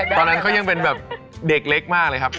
ตอนนั้นเขายังเป็นแบบเด็กเล็กมากเลยครับ